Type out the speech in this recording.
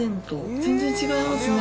全然違いますね。